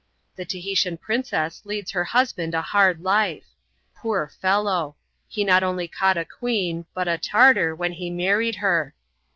, The Tahitian princess leads her husband a hard life. Poor felbw! he not only caught a que^i, but a Tartar, when he married her.